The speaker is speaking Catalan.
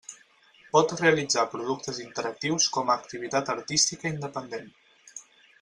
Pot realitzar productes interactius com a activitat artística independent.